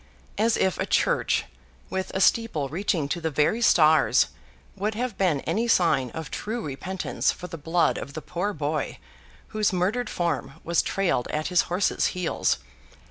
As if a church, with a steeple reaching to the very stars, would have been any sign of true repentance for the blood of the poor boy, whose murdered form was trailed at his horse's heels!